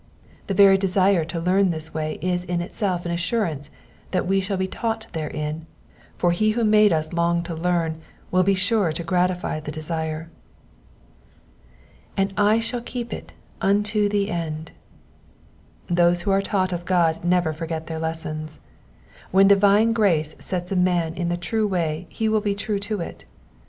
The very desire to learn this way IS in itself an assurance that we shall be taught therein, for he who made us long to learn will be sure to gratify the desire. ^^And I Bhall keep it unto ike end,'*'* Those who are taught of God never forget their lessons. When divine grace sets a man in the true way he will be true to it.